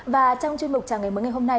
và trong chuyên mục trà ngày mới ngày hôm nay